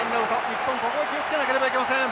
日本ここは気を付けなければいけません。